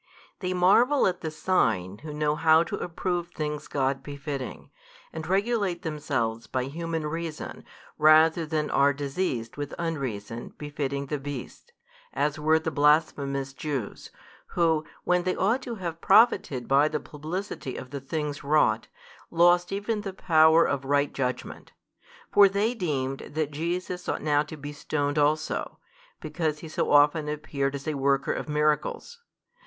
They marvel at the sign who know how to approve things God befitting, and regulate themselves by human reason rather than are diseased with unreason befitting the beasts, as were the blasphemous Jews, who, when they ought to have profited by the publicity of the things wrought, lost even the power of right judgment. For they deemed that Jesus ought now to be stoned also, because He so often appeared as a Worker of miracles.